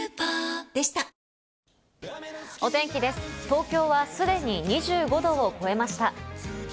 東京はすでに２５度を超えました。